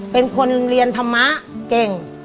เป็นคนเรียนธรรมะเก่ง